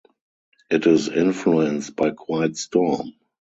It is influenced by quiet storm.